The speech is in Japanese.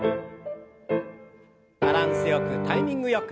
バランスよくタイミングよく。